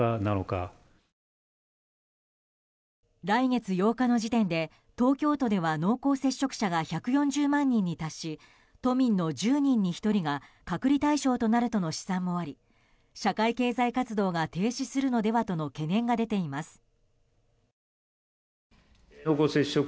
来月８日の時点で東京都では濃厚接触者が１４０万人に達し都民の１０人に１人が隔離対象になるとの試算もあり社会経済活動が停止するのではとの懸念が出ています。